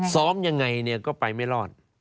ซ้อมยังไงก็ไปไม่รอด